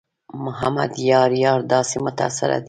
محمد یار یار داسې متاثره دی.